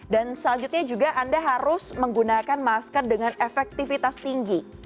dan selanjutnya juga anda harus menggunakan masker dengan efektivitas tinggi